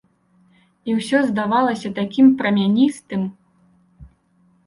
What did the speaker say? І ўсё здавалася такім прамяністым.